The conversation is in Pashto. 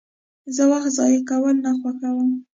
زه وخت ضایع کول نه خوښوم.